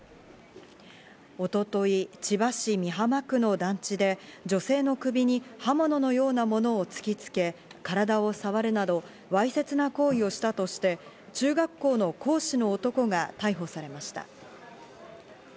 一昨日、千葉市美浜区の団地で女性の首に刃物のようなものを突きつけ、体を触るなど、わいせつな行為をしたとして、中学校の講師の男が逮捕されました。